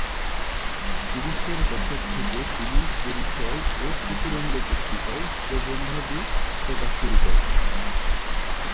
তিরিশের দশক থেকে তিনি পরিচয় ও চতুরঙ্গ পত্রিকায় প্রবন্ধাদি প্রকাশ শুরু করেন।